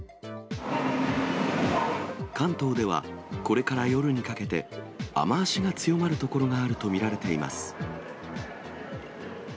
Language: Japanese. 関東ではこれから夜にかけて、雨足が強まる所があると見られています。